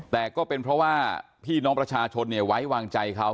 แต่ก็เป็นเพราะว่าพี่น้องประชาชนไว้วางใจเขา